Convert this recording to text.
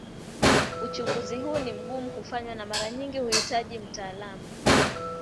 Uchunguzi huu ni mgumu kufanywa na mara nyingi huhitaji mtaalamu.